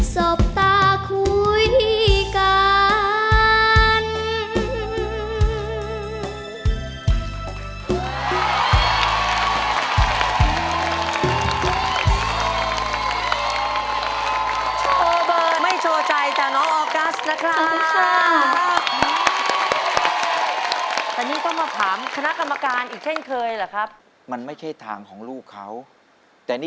สบตาคุยกัน